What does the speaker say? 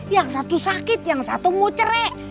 yang satu sakit yang satu mau cerek